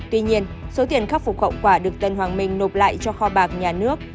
tuy nhiên số tiền khắc phục khẩu quả được tân hoàng minh nộp lại cho kho bạc nhà nước